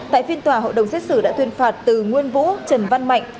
tại phiên tòa hội đồng xét xử đã tuyên phạt từ nguyên vũ trần văn mạnh